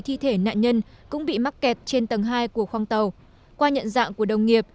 thi thể nạn nhân cũng bị mắc kẹt trên tầng hai của khoang tàu qua nhận dạng của đồng nghiệp